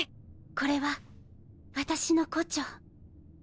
これは私の胡蝶。